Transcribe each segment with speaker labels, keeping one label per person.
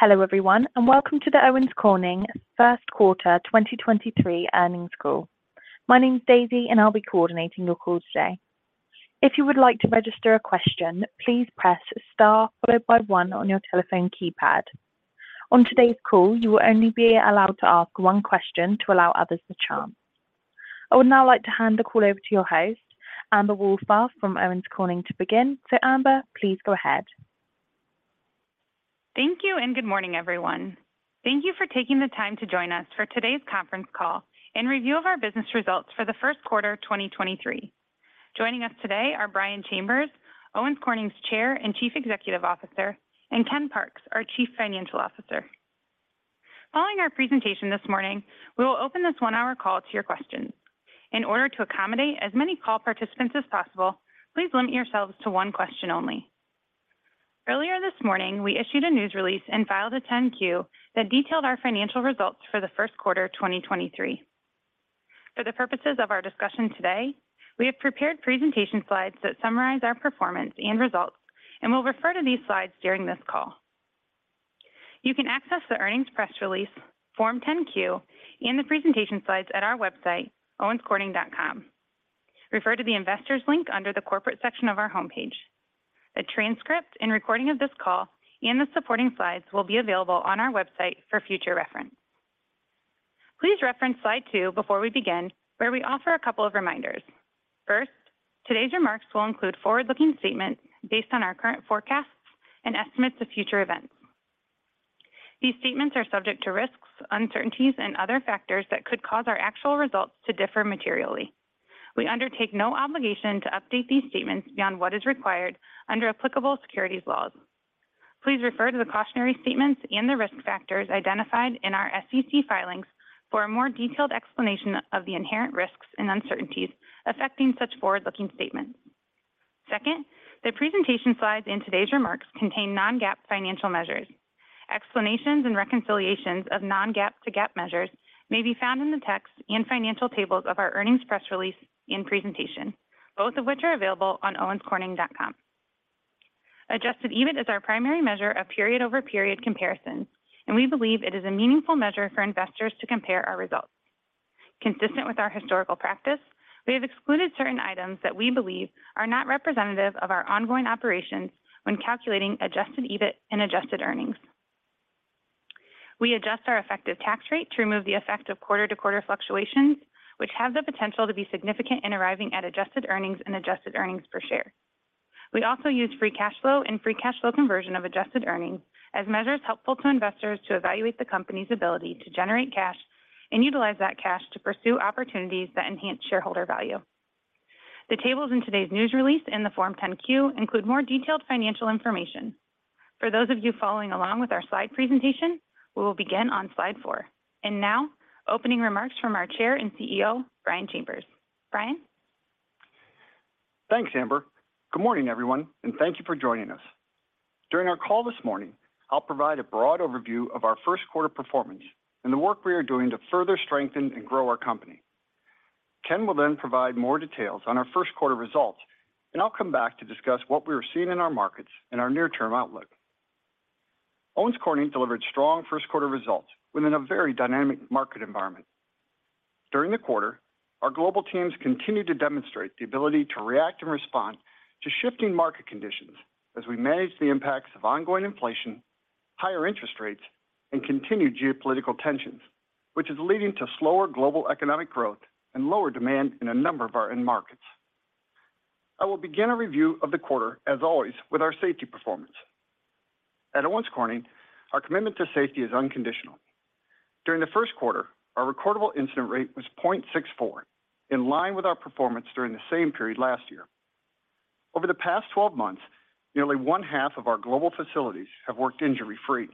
Speaker 1: Hello everyone, welcome to the Owens Corning First Quarter 2023 Earnings Call. My name's Daisy. I'll be coordinating your call today. If you would like to register a question, please press star followed by one on your telephone keypad. On today's call, you will only be allowed to ask one question to allow others the chance. I would now like to hand the call over to your host, Amber Wohlfarth from Owens Corning to begin. Amber, please go ahead.
Speaker 2: Thank you. Good morning, everyone. Thank you for taking the time to join us for today's conference call in review of our business results for the first quarter of 2023. Joining us today are Brian Chambers, Owens Corning's Chair and Chief Executive Officer, and Ken Parks, our Chief Financial Officer. Following our presentation this morning, we will open this 1-hour call to your questions. In order to accommodate as many call participants as possible, please limit yourselves to 1 question only. Earlier this morning, we issued a news release and filed a 10-Q that detailed our financial results for the first quarter of 2023. For the purposes of our discussion today, we have prepared presentation slides that summarize our performance and results, and we'll refer to these slides during this call. You can access the earnings press release, Form 10-Q, and the presentation slides at our website, owenscorning.com. Refer to the Investors link under the Corporate section of our homepage. The transcript and recording of this call and the supporting slides will be available on our website for future reference. Please reference Slide two before we begin, where we offer a couple of reminders. First, today's remarks will include forward-looking statements based on our current forecasts and estimates of future events. These statements are subject to risks, uncertainties and other factors that could cause our actual results to differ materially. We undertake no obligation to update these statements beyond what is required under applicable securities laws. Please refer to the cautionary statements and the risk factors identified in our SEC filings for a more detailed explanation of the inherent risks and uncertainties affecting such forward-looking statements. The presentation slides in today's remarks contain non-GAAP financial measures. Explanations and reconciliations of non-GAAP to GAAP measures may be found in the text and financial tables of our earnings press release and presentation, both of which are available on owenscorning.com. Adjusted EBIT is our primary measure of period-over-period comparison, and we believe it is a meaningful measure for investors to compare our results. Consistent with our historical practice, we have excluded certain items that we believe are not representative of our ongoing operations when calculating adjusted EBIT and adjusted earnings. We adjust our effective tax rate to remove the effect of quarter-to-quarter fluctuations, which have the potential to be significant in arriving at adjusted earnings and adjusted earnings per share. We also use Free Cash Flow and Free Cash Flow conversion of adjusted earnings as measures helpful to investors to evaluate the company's ability to generate cash and utilize that cash to pursue opportunities that enhance shareholder value. The tables in today's news release in the Form 10-Q include more detailed financial information. For those of you following along with our slide presentation, we will begin on Slide four. Now, opening remarks from our Chair and CEO, Brian Chambers. Brian.
Speaker 3: Thanks, Amber. Good morning, everyone, and thank you for joining us. During our call this morning, I'll provide a broad overview of our first quarter performance and the work we are doing to further strengthen and grow our company. Ken will provide more details on our first quarter results. I'll come back to discuss what we are seeing in our markets and our near-term outlook. Owens Corning delivered strong first quarter results within a very dynamic market environment. During the quarter, our global teams continued to demonstrate the ability to react and respond to shifting market conditions as we manage the impacts of ongoing inflation, higher interest rates, and continued geopolitical tensions, which is leading to slower global economic growth and lower demand in a number of our end markets. I will begin a review of the quarter, as always, with our safety performance. At Owens Corning, our commitment to safety is unconditional. During the first quarter, our recordable incident rate was 0.64, in line with our performance during the same period last year. Over the past 12 months, nearly one-half of our global facilities have worked injury-free.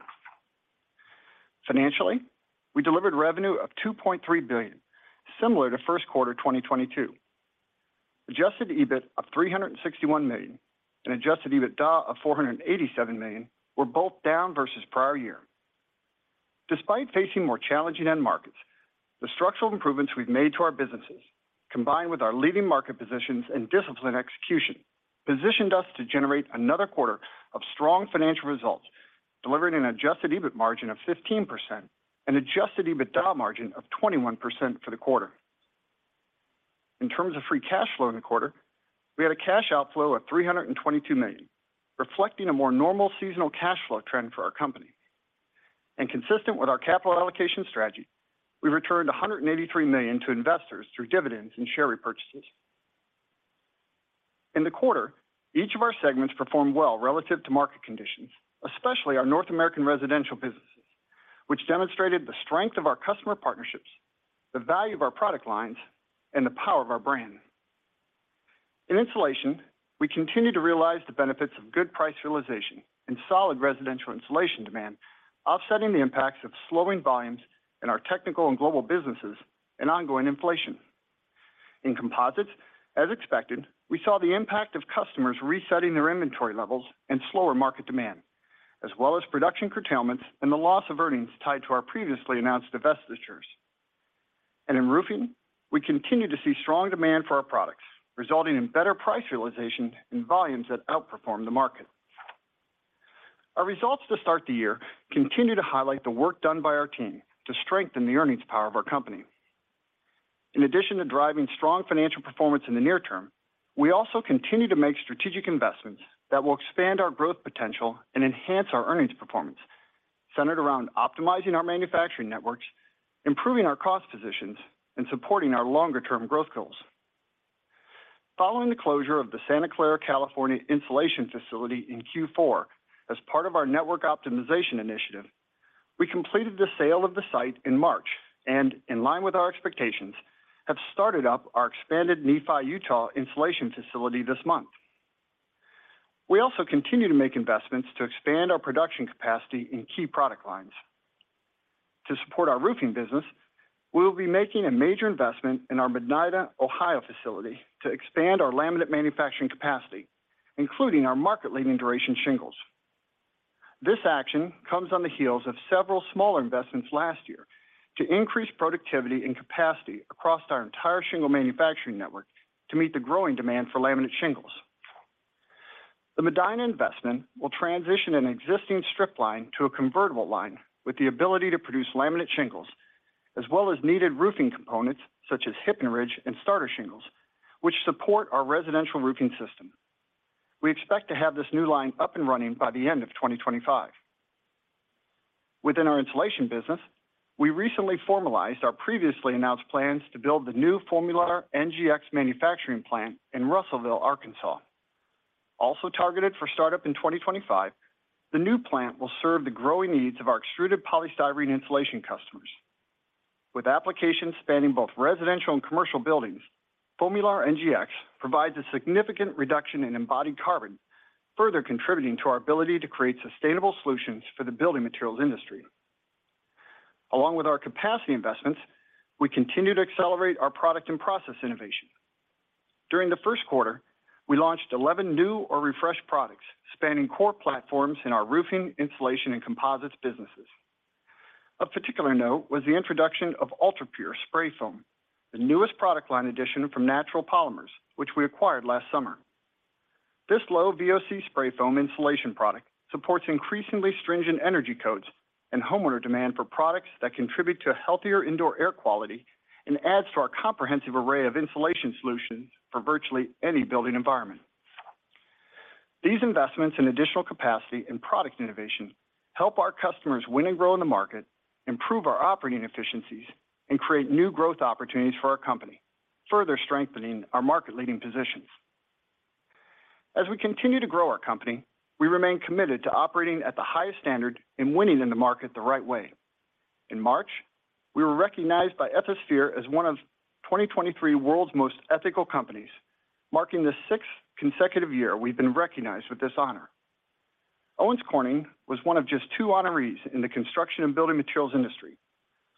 Speaker 3: Financially, we delivered revenue of $2.3 billion, similar to first quarter 2022. Adjusted EBIT of $361 million and Adjusted EBITDA of $487 million were both down versus prior year. Despite facing more challenging end markets, the structural improvements we've made to our businesses, combined with our leading market positions and disciplined execution, positioned us to generate another quarter of strong financial results, delivering an Adjusted EBIT margin of 15% and Adjusted EBITDA margin of 21% for the quarter. In terms of Free Cash Flow in the quarter, we had a cash outflow of $322 million, reflecting a more normal seasonal cash flow trend for our company. Consistent with our capital allocation strategy, we returned $183 million to investors through dividends and share repurchases. In the quarter, each of our segments performed well relative to market conditions, especially our North American residential businesses, which demonstrated the strength of our customer partnerships, the value of our product lines, and the power of our brand. In insulation, we continue to realize the benefits of good price realization and solid residential insulation demand, offsetting the impacts of slowing volumes in our technical and global businesses and ongoing inflation. In composites, as expected, we saw the impact of customers resetting their inventory levels and slower market demand, as well as production curtailments and the loss of earnings tied to our previously announced divestitures. In roofing, we continue to see strong demand for our products, resulting in better price realization and volumes that outperform the market. Our results to start the year continue to highlight the work done by our team to strengthen the earnings power of our company. In addition to driving strong financial performance in the near term, we also continue to make strategic investments that will expand our growth potential and enhance our earnings performance, centered around optimizing our manufacturing networks, improving our cost positions, and supporting our longer-term growth goals. Following the closure of the Santa Clara, California insulation facility in Q4 as part of our network optimization initiative, we completed the sale of the site in March and, in line with our expectations, have started up our expanded Nephi, Utah insulation facility this month. We also continue to make investments to expand our production capacity in key product lines. To support our roofing business, we will be making a major investment in our Medina, Ohio facility to expand our laminate manufacturing capacity, including our market-leading Duration shingles. This action comes on the heels of several smaller investments last year to increase productivity and capacity across our entire shingle manufacturing network to meet the growing demand for laminate shingles. The Medina investment will transition an existing strip line to a convertible line with the ability to produce laminate shingles as well as needed roofing components such as hip and ridge and starter shingles, which support our residential roofing system. We expect to have this new line up and running by the end of 2025. Within our insulation business, we recently formalized our previously announced plans to build the new FOAMULAR NGX manufacturing plant in Russellville, Arkansas. Also targeted for startup in 2025, the new plant will serve the growing needs of our extruded polystyrene insulation customers. With applications spanning both residential and commercial buildings, FOAMULAR NGX provides a significant reduction in embodied carbon, further contributing to our ability to create sustainable solutions for the building materials industry. With our capacity investments, we continue to accelerate our product and process innovation. During the first quarter, we launched 11 new or refreshed products spanning core platforms in our roofing, insulation, and composites businesses. Of particular note was the introduction of Ultra-Pure Spray Foam, the newest product line addition from Natural Polymers, which we acquired last summer. This low VOC spray foam insulation product supports increasingly stringent energy codes and homeowner demand for products that contribute to healthier indoor air quality and adds to our comprehensive array of insulation solutions for virtually any building environment. These investments in additional capacity and product innovation help our customers win and grow in the market, improve our operating efficiencies, and create new growth opportunities for our company, further strengthening our market-leading positions. As we continue to grow our company, we remain committed to operating at the highest standard in winning in the market the right way. In March, we were recognized by Ethisphere as one of 2023 World's Most Ethical Companies, marking the sixth consecutive year we've been recognized with this honor. Owens Corning was one of just two honorees in the construction and building materials industry,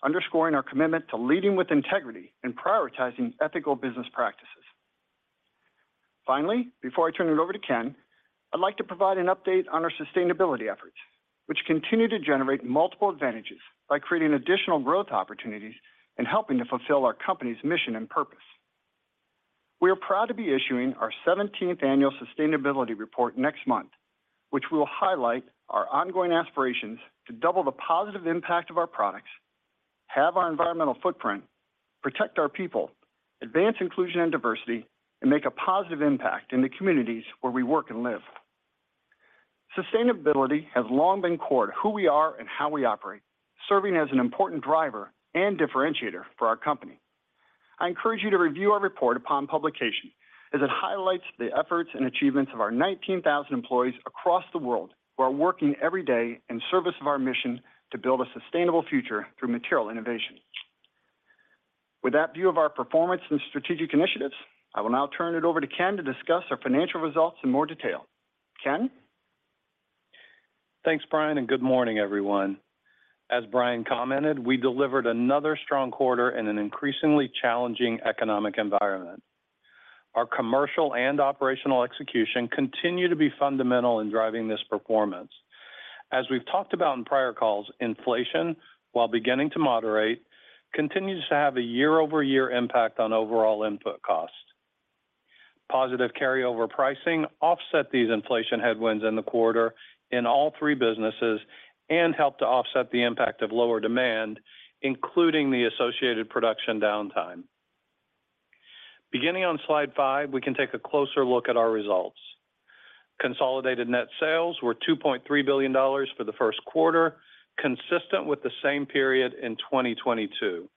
Speaker 3: underscoring our commitment to leading with integrity and prioritizing ethical business practices. Before I turn it over to Ken, I'd like to provide an update on our sustainability efforts, which continue to generate multiple advantages by creating additional growth opportunities and helping to fulfill our company's mission and purpose. We are proud to be issuing our seventeenth annual sustainability report next month, which will highlight our ongoing aspirations to double the positive impact of our products, have our environmental footprint, protect our people, advance inclusion and diversity, and make a positive impact in the communities where we work and live. Sustainability has long been core to who we are and how we operate, serving as an important driver and differentiator for our company. I encourage you to review our report upon publication, as it highlights the efforts and achievements of our 19,000 employees across the world who are working every day in service of our mission to build a sustainable future through material innovation. With that view of our performance and strategic initiatives, I will now turn it over to Ken to discuss our financial results in more detail. Ken?
Speaker 4: Thanks, Brian. Good morning, everyone. As Brian commented, we delivered another strong quarter in an increasingly challenging economic environment. Our commercial and operational execution continue to be fundamental in driving this performance. As we've talked about in prior calls, inflation, while beginning to moderate, continues to have a year-over-year impact on overall input costs. Positive carryover pricing offset these inflation headwinds in the quarter in all three businesses and helped to offset the impact of lower demand, including the associated production downtime. Beginning on Slide five, we can take a closer look at our results. Consolidated net sales were $2.3 billion for the first quarter, consistent with the same period in 2022.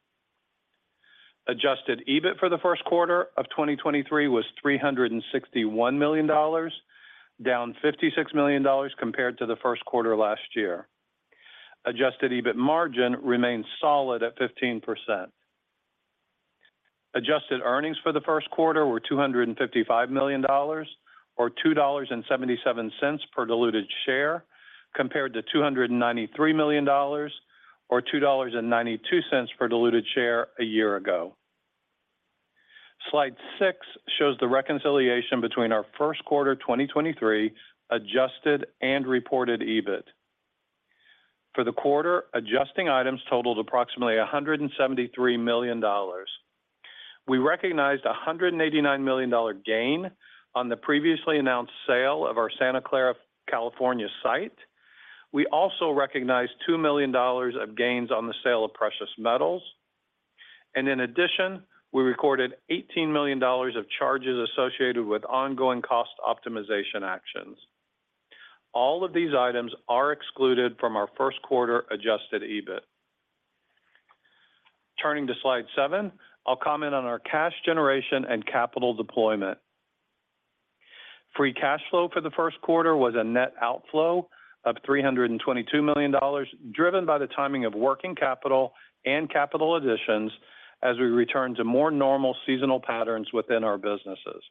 Speaker 4: Adjusted EBIT for the first quarter of 2023 was $361 million, down $56 million compared to the first quarter last year. Adjusted EBIT margin remains solid at 15%. Adjusted earnings for the first quarter were $255 million or $2.77 per diluted share, compared to $293 million or $2.92 per diluted share a year ago. Slide 6 shows the reconciliation between our first quarter 2023 adjusted and reported EBIT. For the quarter, adjusting items totaled approximately $173 million. We recognized a $189 million gain on the previously announced sale of our Santa Clara, California site. We also recognized $2 million of gains on the sale of precious metals. In addition, we recorded $18 million of charges associated with ongoing cost optimization actions. All of these items are excluded from our first quarter adjusted EBIT. Turning to slide seven, I'll comment on our cash generation and capital deployment. Free Cash Flow for the first quarter was a net outflow of $322 million, driven by the timing of working capital and capital additions as we return to more normal seasonal patterns within our businesses.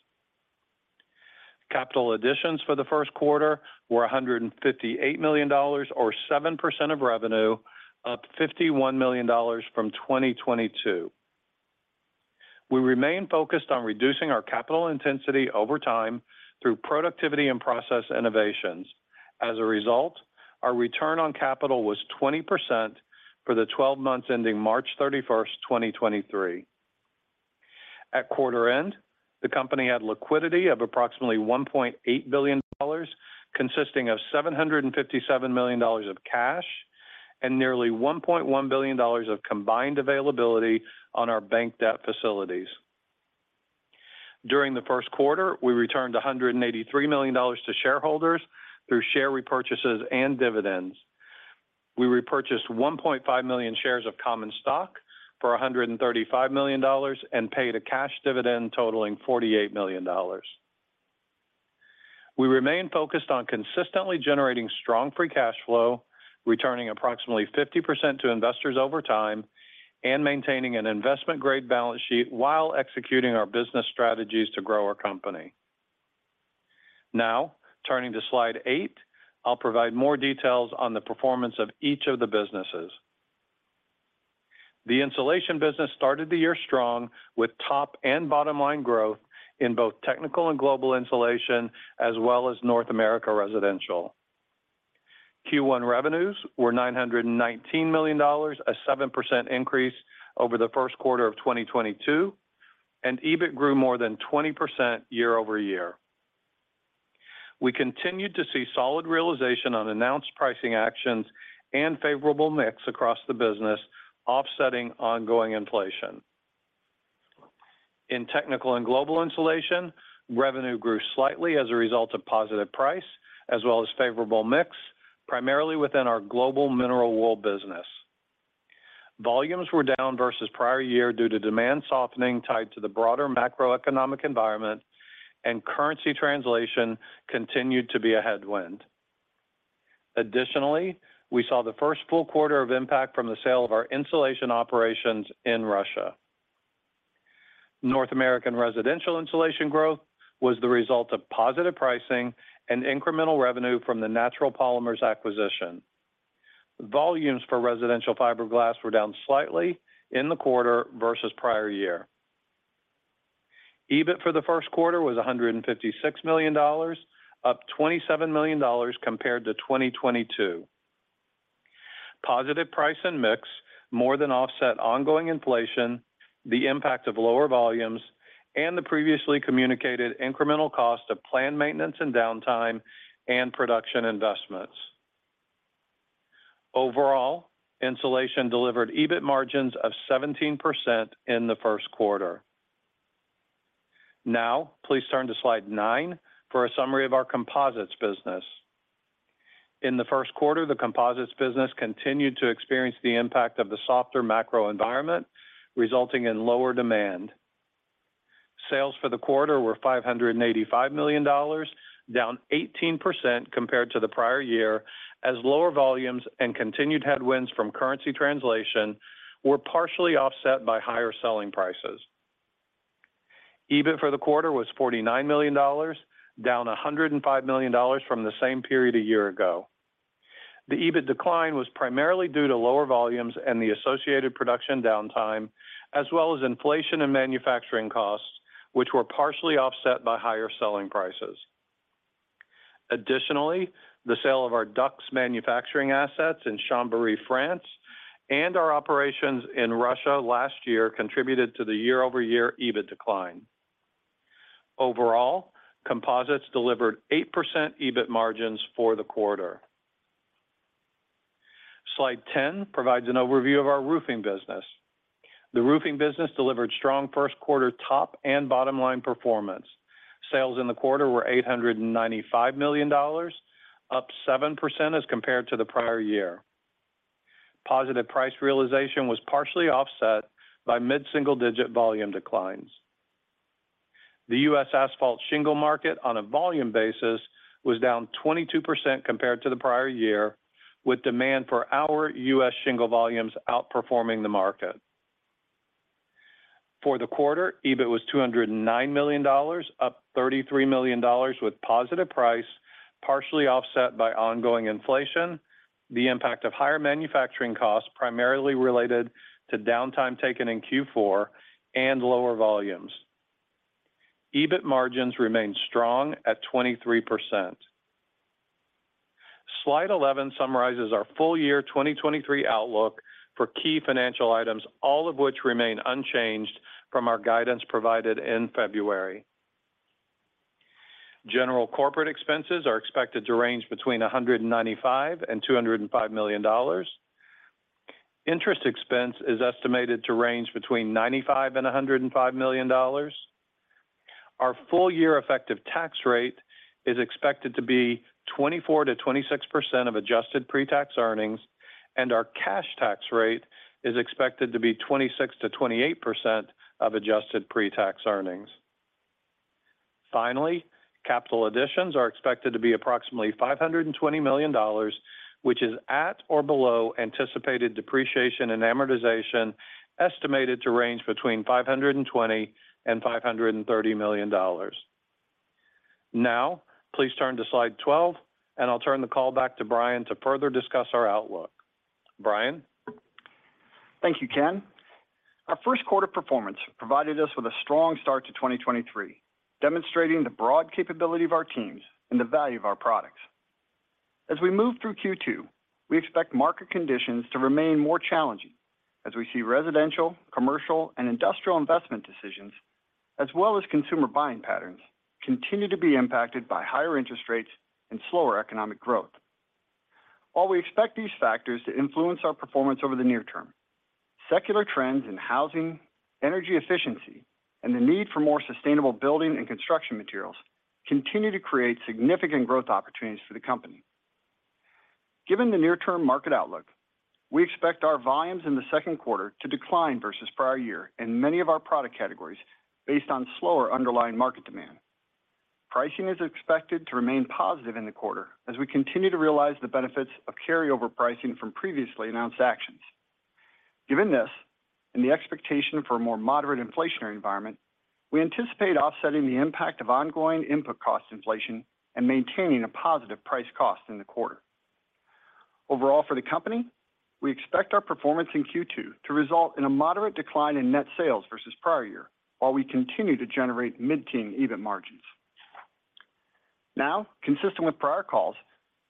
Speaker 4: Capital additions for the first quarter were $158 million or 7% of revenue, up $51 million from 2022. We remain focused on reducing our capital intensity over time through productivity and process innovations. As a result, our return on capital was 20% for the 12 months ending March 31st, 2023. At quarter end, the company had liquidity of approximately $1.8 billion, consisting of $757 million of cash and nearly $1.1 billion of combined availability on our bank debt facilities. During the first quarter, we returned $183 million to shareholders through share repurchases and dividends. We repurchased 1.5 million shares of common stock for $135 million and paid a cash dividend totaling $48 million. We remain focused on consistently generating strong Free Cash Flow, returning approximately 50% to investors over time, and maintaining an investment-grade balance sheet while executing our business strategies to grow our company. Now, turning to slide 8, I'll provide more details on the performance of each of the businesses. The insulation business started the year strong with top and bottom-line growth in both technical and global insulation, as well as North America residential. Q1 revenues were $919 million, a 7% increase over the first quarter of 2022, and EBIT grew more than 20% year-over-year. We continued to see solid realization on announced pricing actions and favorable mix across the business, offsetting ongoing inflation. In technical and global insulation, revenue grew slightly as a result of positive price as well as favorable mix, primarily within our global mineral wool business. Volumes were down versus prior year due to demand softening tied to the broader macroeconomic environment, and currency translation continued to be a headwind. Additionally, we saw the first full quarter of impact from the sale of our insulation operations in Russia. North American residential insulation growth was the result of positive pricing and incremental revenue from the Natural Polymers acquisition. Volumes for residential fiberglass were down slightly in the quarter versus prior year. EBIT for the first quarter was $156 million, up $27 million compared to 2022. Positive price and mix more than offset ongoing inflation, the impact of lower volumes, and the previously communicated incremental cost of planned maintenance and downtime, and production investments. Overall, insulation delivered EBIT margins of 17% in the first quarter. Please turn to Slide nine for a summary of our Composites business. In the first quarter, the Composites business continued to experience the impact of the softer macro environment, resulting in lower demand. Sales for the quarter were $585 million, down 18% compared to the prior year, as lower volumes and continued headwinds from currency translation were partially offset by higher selling prices. EBIT for the quarter was $49 million, down $105 million from the same period a year ago. The EBIT decline was primarily due to lower volumes and the associated production downtime, as well as inflation and manufacturing costs, which were partially offset by higher selling prices. Additionally, the sale of our DUCS manufacturing assets in Chambéry, France, and our operations in Russia last year contributed to the year-over-year EBIT decline. Overall, Composites delivered 8% EBIT margins for the quarter. Slide 10 provides an overview of our Roofing business. The Roofing business delivered strong first quarter top and bottom-line performance. Sales in the quarter were $895 million, up 7% as compared to the prior year. Positive price realization was partially offset by mid-single-digit volume declines. The U.S. asphalt shingle market on a volume basis was down 22% compared to the prior year, with demand for our U.S. shingle volumes outperforming the market. For the quarter, EBIT was $209 million, up $33 million, with positive price, partially offset by ongoing inflation, the impact of higher manufacturing costs primarily related to downtime taken in Q4 and lower volumes. EBIT margins remained strong at 23%. Slide 11 summarizes our full year 2023 outlook for key financial items, all of which remain unchanged from our guidance provided in February. General corporate expenses are expected to range between $195 million and $205 million. Interest expense is estimated to range between $95 million and $105 million. Our full year effective tax rate is expected to be 24%-26% of adjusted pre-tax earnings, and our cash tax rate is expected to be 26%-28% of adjusted pre-tax earnings. Capital additions are expected to be approximately $520 million, which is at or below anticipated depreciation and amortization, estimated to range between $520 million and $530 million. Please turn to Slide 12, I'll turn the call back to Brian to further discuss our outlook. Brian?
Speaker 3: Thank you, Ken. Our first quarter performance provided us with a strong start to 2023, demonstrating the broad capability of our teams and the value of our products. As we move through Q2, we expect market conditions to remain more challenging as we see residential, commercial, and industrial investment decisions, as well as consumer buying patterns, continue to be impacted by higher interest rates and slower economic growth. While we expect these factors to influence our performance over the near term, secular trends in housing, energy efficiency, and the need for more sustainable building and construction materials continue to create significant growth opportunities for the company. Given the near-term market outlook, we expect our volumes in the second quarter to decline versus prior year in many of our product categories based on slower underlying market demand. Pricing is expected to remain positive in the quarter as we continue to realize the benefits of carryover pricing from previously announced actions. Given this, and the expectation for a more moderate inflationary environment, we anticipate offsetting the impact of ongoing input cost inflation and maintaining a positive price cost in the quarter. Overall, for the company, we expect our performance in Q2 to result in a moderate decline in net sales versus prior year, while we continue to generate mid-teen EBIT margins. Now, consistent with prior calls,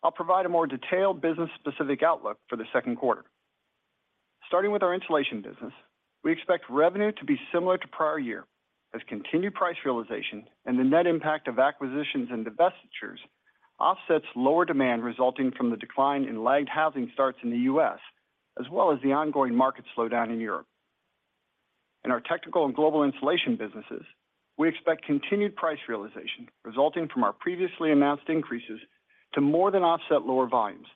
Speaker 3: I'll provide a more detailed business specific outlook for the second quarter. Starting with our insulation business, we expect revenue to be similar to prior year as continued price realization and the net impact of acquisitions and divestitures offsets lower demand resulting from the decline in lagged housing starts in the U.S. as well as the ongoing market slowdown in Europe. In our technical and global insulation businesses, we expect continued price realization resulting from our previously announced increases to more than offset lower volumes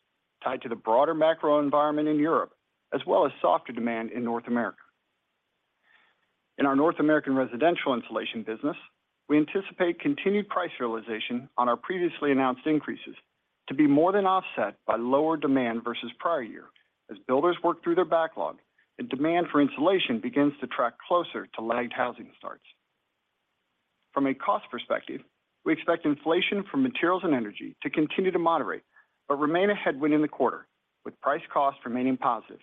Speaker 3: tied to the broader macro environment in Europe, as well as softer demand in North America. In our North American residential insulation business, we anticipate continued price realization on our previously announced increases to be more than offset by lower demand versus prior year as builders work through their backlog and demand for insulation begins to track closer to lagged housing starts. From a cost perspective, we expect inflation from materials and energy to continue to moderate but remain a headwind in the quarter with price cost remaining positive.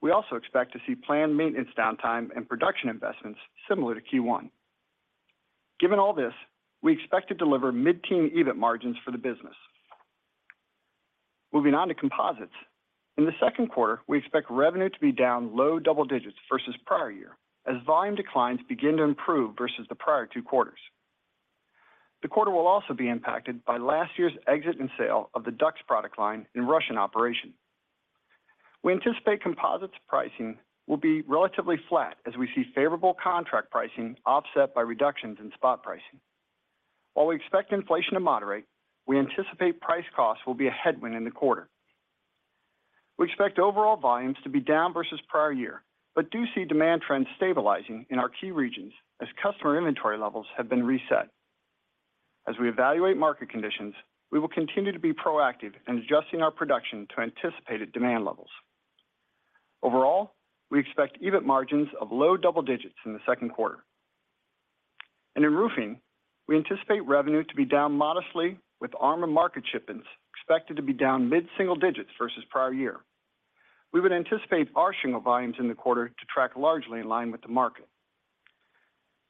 Speaker 3: We also expect to see planned maintenance downtime and production investments similar to Q1. Given all this, we expect to deliver mid-teen EBIT margins for the business. Moving on to composites. In the second quarter, we expect revenue to be down low double digits versus prior-year as volume declines begin to improve versus the prior two quarters. The quarter will also be impacted by last year's exit and sale of the DUCS product line in Russian operation. We anticipate composites pricing will be relatively flat as we see favorable contract pricing offset by reductions in spot pricing. We expect inflation to moderate, we anticipate price costs will be a headwind in the quarter. We expect overall volumes to be down versus prior-year, do see demand trends stabilizing in our key regions as customer inventory levels have been reset. We evaluate market conditions, we will continue to be proactive in adjusting our production to anticipated demand levels. Overall, we expect EBIT margins of low double digits in the second quarter. In roofing, we anticipate revenue to be down modestly with ARMA and market shipments expected to be down mid-single digits versus prior year. We would anticipate our shingle volumes in the quarter to track largely in line with the market.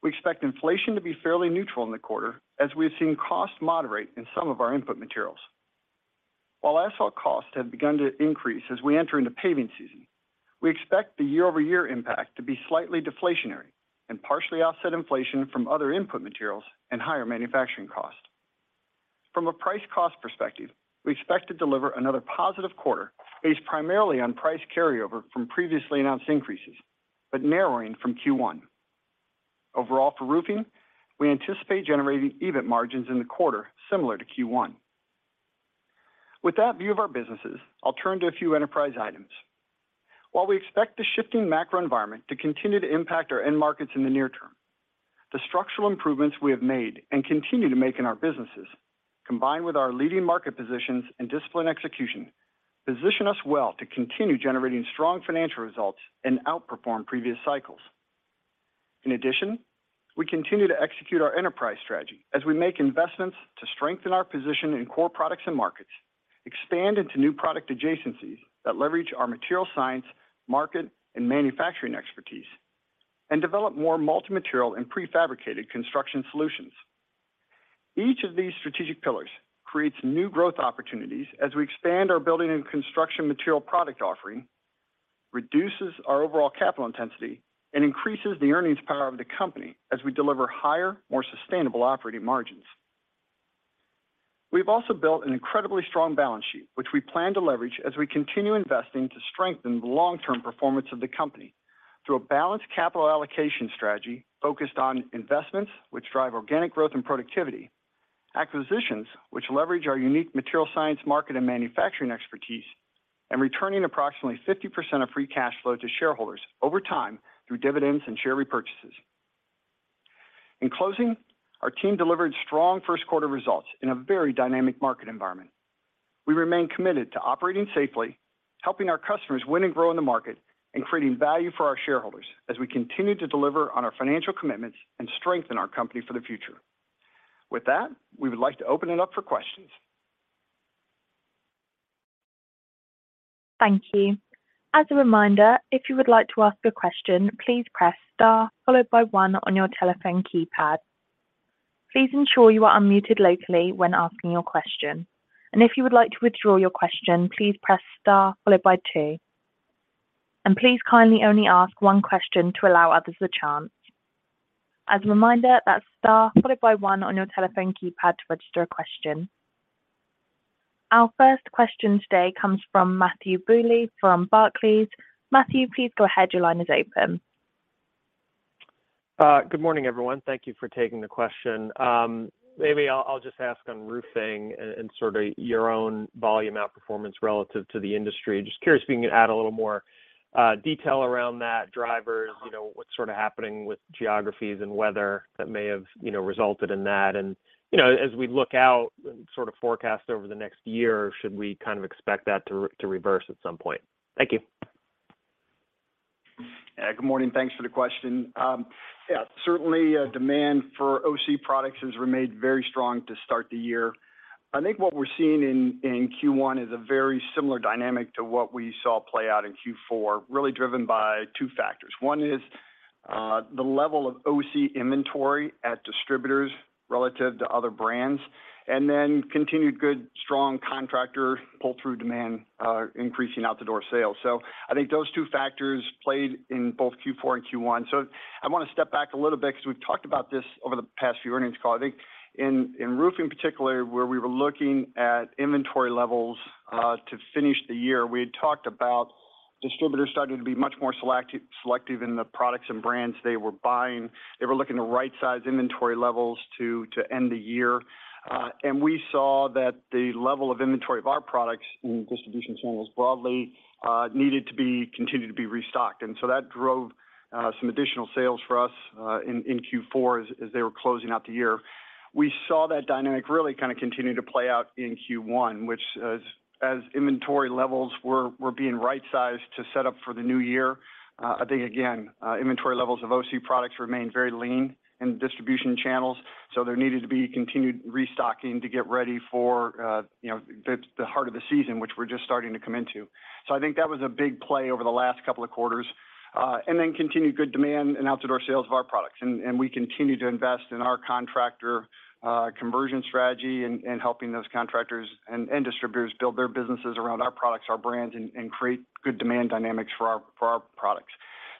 Speaker 3: We expect inflation to be fairly neutral in the quarter as we have seen costs moderate in some of our input materials. While asphalt costs have begun to increase as we enter into paving season, we expect the year-over-year impact to be slightly deflationary and partially offset inflation from other input materials and higher manufacturing costs. From a price cost perspective, we expect to deliver another positive quarter based primarily on price carryover from previously announced increases, but narrowing from Q1. Overall for roofing, we anticipate generating EBIT margins in the quarter similar to Q1. With that view of our businesses, I'll turn to a few enterprise items. While we expect the shifting macro environment to continue to impact our end markets in the near term, the structural improvements we have made and continue to make in our businesses, combined with our leading market positions and disciplined execution, position us well to continue generating strong financial results and outperform previous cycles. In addition, we continue to execute our enterprise strategy as we make investments to strengthen our position in core products and markets, expand into new product adjacencies that leverage our material science, market, and manufacturing expertise, and develop more multi-material and prefabricated construction solutions. Each of these strategic pillars creates new growth opportunities as we expand our building and construction material product offering, reduces our overall capital intensity, and increases the earnings power of the company as we deliver higher, more sustainable operating margins. We've also built an incredibly strong balance sheet, which we plan to leverage as we continue investing to strengthen the long-term performance of the company through a balanced capital allocation strategy focused on investments which drive organic growth and productivity, acquisitions which leverage our unique material science market and manufacturing expertise, and returning approximately 50% of Free Cash Flow to shareholders over time through dividends and share repurchases. In closing, our team delivered strong first quarter results in a very dynamic market environment. We remain committed to operating safely, helping our customers win and grow in the market, and creating value for our shareholders as we continue to deliver on our financial commitments and strengthen our company for the future. With that, we would like to open it up for questions.
Speaker 1: Thank you. As a reminder, if you would like to ask a question, please press star followed by one on your telephone keypad. Please ensure you are unmuted locally when asking your question. If you would like to withdraw your question, please press star followed by two. Please kindly only ask one question to allow others a chance. As a reminder, that's star followed by one on your telephone keypad to register a question. Our first question today comes from Matthew Bouley from Barclays. Matthew, please go ahead. Your line is open.
Speaker 5: Good morning, everyone. Thank you for taking the question. Maybe I'll just ask on roofing and sort of your own volume outperformance relative to the industry. Just curious if you can add a little more detail around that, drivers, you know, what's sort of happening with geographies and weather that may have, you know, resulted in that. You know, as we look out and sort of forecast over the next year, should we kind of expect that to reverse at some point? Thank you.
Speaker 3: Good morning. Thanks for the question. Yeah, certainly, demand for OC products has remained very strong to start the year. I think what we're seeing in Q1 is a very similar dynamic to what we saw play out in Q4, really driven by two factors. One is, the level of OC inventory at distributors relative to other brands, and then continued good, strong contractor pull-through demand, increasing out the door sales. I think those two factors played in both Q4 and Q1. I wanna step back a little bit because we've talked about this over the past few earnings calls. I think in roofing particularly, where we were looking at inventory levels, to finish the year, we had talked about distributors starting to be much more selective in the products and brands they were buying. They were looking to right-size inventory levels to end the year. We saw that the level of inventory of our products in distribution channels broadly, needed to be continued to be restocked. That drove some additional sales for us in Q4 as they were closing out the year. We saw that dynamic really kinda continue to play out in Q1, which as inventory levels were being right-sized to set up for the new year, I think again, inventory levels of OC products remained very lean in the distribution channels, so there needed to be continued restocking to get ready for, you know, the heart of the season, which we're just starting to come into. I think that was a big play over the last couple of quarters. Continued good demand and out the door sales of our products. We continue to invest in our contractor conversion strategy and helping those contractors and distributors build their businesses around our products, our brands, and create good demand dynamics for our products.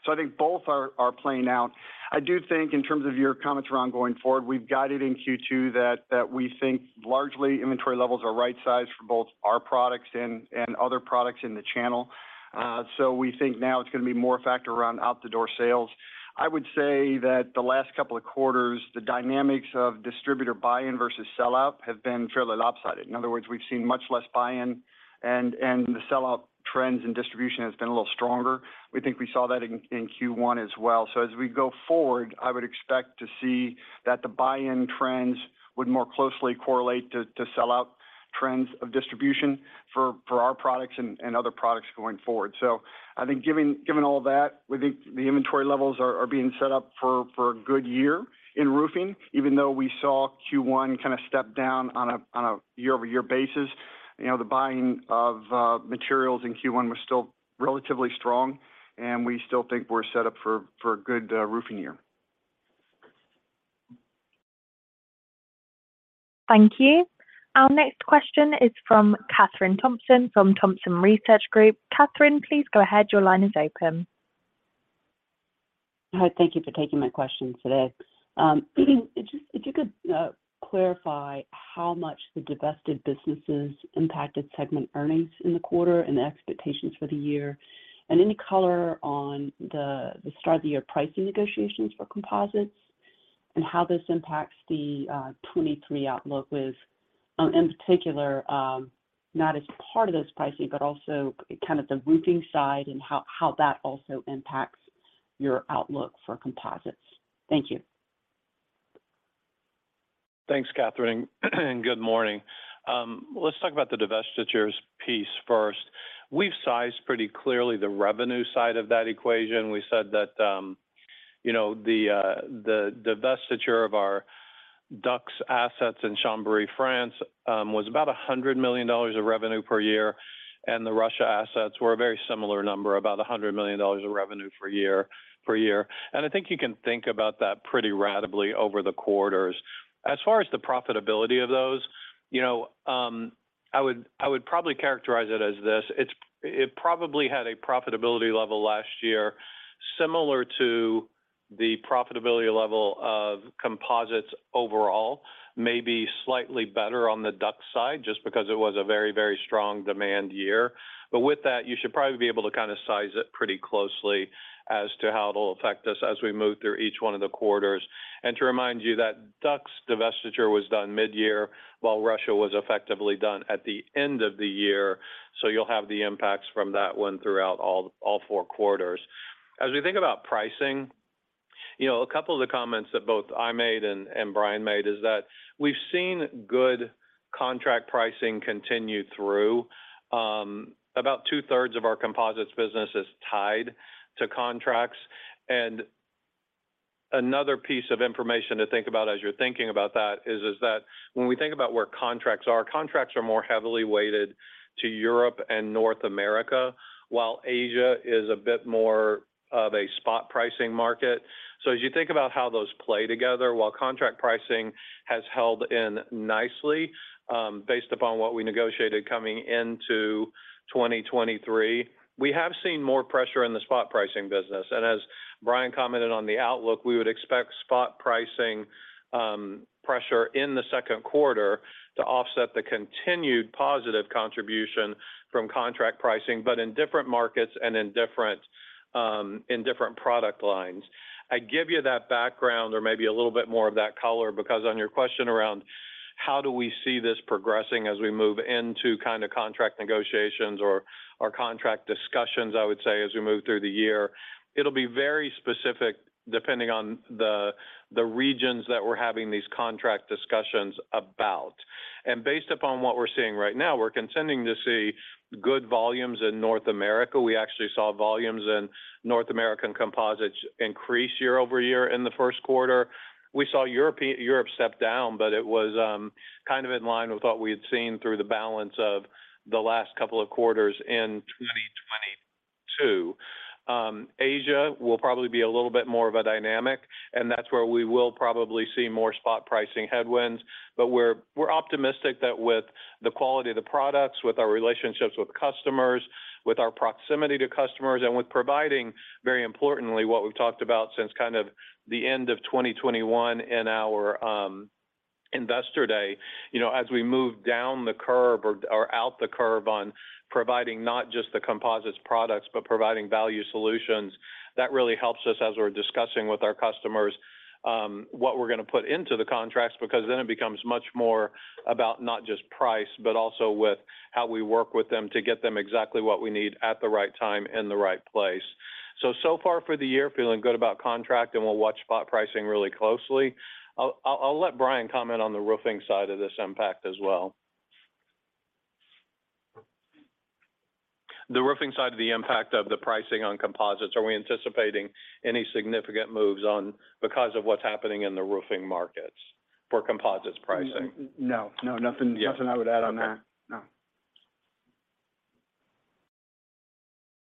Speaker 3: I think both are playing out. I do think in terms of your comments around going forward, we've guided in Q2 that we think largely inventory levels are right sized for both our products and other products in the channel. We think now it's gonna be more a factor around out the door sales. I would say that the last couple of quarters, the dynamics of distributor buy-in versus sell out have been fairly lopsided. In other words, we've seen much less buy-in and the sell-out trends and distribution has been a little stronger. We think we saw that in Q1 as well. As we go forward, I would expect to see that the buy-in trends would more closely correlate to sell-out trends of distribution for our products and other products going forward. I think giving, given all that, we think the inventory levels are being set up for a good year in roofing. Even though we saw Q1 kinda step down on a year-over-year basis, you know, the buying of materials in Q1 was still relatively strong, and we still think we're set up for a good roofing year.
Speaker 1: Thank you. Our next question is from Kathryn Thompson from Thompson Research Group. Kathryn, please go ahead. Your line is open.
Speaker 6: Hi, thank you for taking my question today. If you could clarify how much the divested businesses impacted segment earnings in the quarter and the expectations for the year, and any color on the start of the year pricing negotiations for composites and how this impacts the 2023 outlook with in particular, not as part of this pricing, but also kind of the roofing side and how that also impacts your outlook for composites? Thank you.
Speaker 4: Thanks, Kathryn. Good morning. Let's talk about the divestitures piece first. We've sized pretty clearly the revenue side of that equation. We said that, you know, the divestiture of our DUCs assets in Chambéry, France, was about $100 million of revenue per year, and the Russia assets were a very similar number, about $100 million of revenue per year. I think you can think about that pretty ratably over the quarters. As far as the profitability of those, you know, I would probably characterize it as this: it probably had a profitability level last year similar to the profitability level of composites overall, maybe slightly better on the DUC side, just because it was a very, very strong demand year. With that, you should probably be able to kinda size it pretty closely as to how it'll affect us as we move through each one of the quarters. To remind you that DUCS divestiture was done mid-year, while Russia was effectively done at the end of the year, so you'll have the impacts from that one throughout all four quarters. As we think about pricing, you know, a couple of the comments that both I made and Brian made is that we've seen good contract pricing continue through. About 2/3 of our composites business is tied to contracts. Another piece of information to think about as you're thinking about that is that when we think about where contracts are, contracts are more heavily weighted to Europe and North America, while Asia is a bit more of a spot pricing market. As you think about how those play together, while contract pricing has held in nicely, based upon what we negotiated coming into 2023, we have seen more pressure in the spot pricing business. As Brian commented on the outlook, we would expect spot pricing pressure in the second quarter to offset the continued positive contribution from contract pricing, but in different markets and in different product lines. I give you that background or maybe a little bit more of that color because on your question around how do we see this progressing as we move into kind of contract negotiations or contract discussions, I would say, as we move through the year, it'll be very specific depending on the regions that we're having these contract discussions about. Based upon what we're seeing right now, we're continuing to see good volumes in North America. We actually saw volumes in North American composites increase year-over-year in the first quarter. We saw Europe step down, but it was kind of in line with what we had seen through the balance of the last couple of quarters in 2022. Asia will probably be a little bit more of a dynamic, and that's where we will probably see more spot pricing headwinds. We're optimistic that with the quality of the products, with our relationships with customers, with our proximity to customers, and with providing, very importantly, what we've talked about since kind of the end of 2021 in our investor day, you know, as we move down the curve or out the curve on providing not just the composites products, but providing value solutions, that really helps us as we're discussing with our customers, what we're gonna put into the contracts, because then it becomes much more about not just price, but also with how we work with them to get them exactly what we need at the right time in the right place. So far for the year, feeling good about contract, and we'll watch spot pricing really closely. I'll let Brian comment on the roofing side of this impact as well. The roofing side of the impact of the pricing on composites. Are we anticipating any significant moves on because of what's happening in the roofing markets for composites pricing?
Speaker 3: No. No, nothing.
Speaker 4: Yeah.
Speaker 3: Nothing I would add on that.
Speaker 4: Okay.
Speaker 3: No.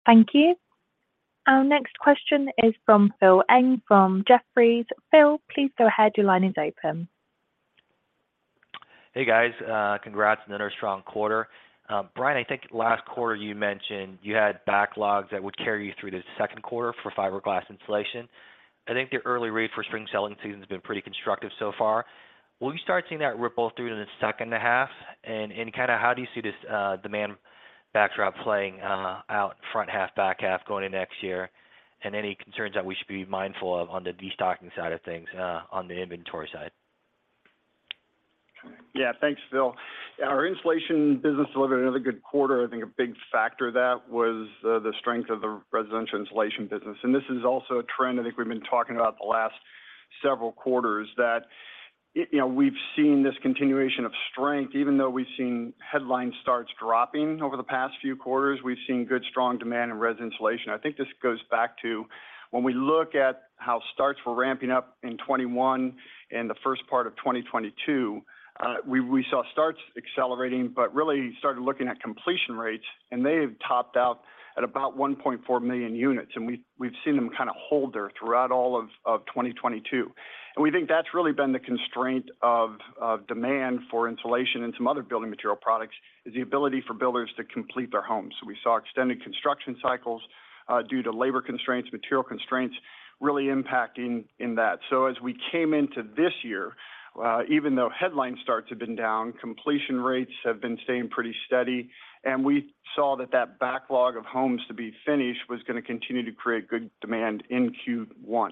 Speaker 1: Thank you. Our next question is from Philip Ng from Jefferies. Phil, please go ahead. Your line is open.
Speaker 7: Hey, guys. congrats on another strong quarter. Brian, I think last quarter you mentioned you had backlogs that would carry you through to the second quarter for fiberglass insulation. I think the early read for spring selling season has been pretty constructive so far. Will you start seeing that ripple through to the second half? Kinda how do you see this demand backdrop playing out front half, back half going in next year? Any concerns that we should be mindful of on the destocking side of things, on the inventory side?
Speaker 3: Yeah. Thanks, Phil. Our insulation business delivered another good quarter. I think a big factor of that was the strength of the residential insulation business. This is also a trend I think we've been talking about the last several quarters, that you know, we've seen this continuation of strength, even though we've seen headline starts dropping over the past few quarters. We've seen good, strong demand in res insulation. I think this goes back to when we look at how starts were ramping up in 2021 and the first part of 2022, we saw starts accelerating, but really started looking at completion rates, and they have topped out at about 1.4 million units, and we've seen them kind of hold there throughout all of 2022. We think that's really been the constraint of demand for insulation and some other building material products, is the ability for builders to complete their homes. We saw extended construction cycles due to labor constraints, material constraints really impacting in that. As we came into this year, even though headline starts have been down, completion rates have been staying pretty steady, and we saw that that backlog of homes to be finished was gonna continue to create good demand in Q1.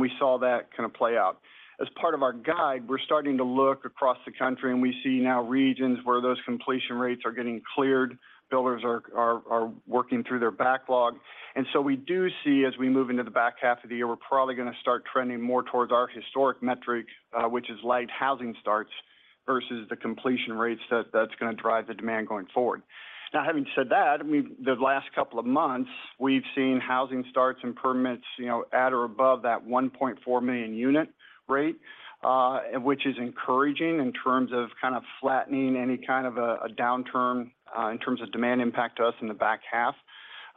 Speaker 3: We saw that kind of play out. As part of our guide, we're starting to look across the country, and we see now regions where those completion rates are getting cleared. Builders are working through their backlog. We do see as we move into the back half of the year, we're probably gonna start trending more towards our historic metric, which is light housing starts versus the completion rates that's gonna drive the demand going forward. Now having said that, I mean, the last couple of months, we've seen housing starts and permits, you know, at or above that 1.4 million unit rate, which is encouraging in terms of kind of flattening any kind of a downturn in terms of demand impact to us in the back half.